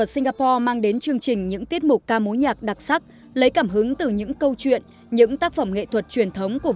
xin chào các bạn